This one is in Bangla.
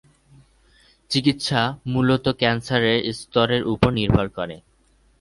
চিকিৎসা মূলত ক্যান্সারের স্তরের উপর নির্ভর করে।